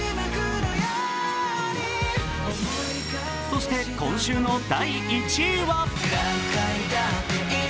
そして今週の第１位は？